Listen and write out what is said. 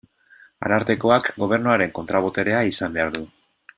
Arartekoak Gobernuaren kontra-boterea izan behar du.